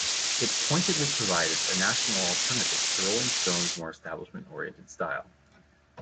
It pointedly provided a national alternative to "Rolling Stone's" more establishment-oriented style.